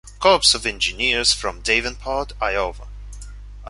Corps of Engineers from Davenport, Iowa.